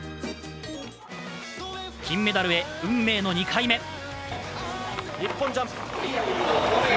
金メダルへ運命の２回目。